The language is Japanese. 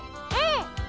ええ？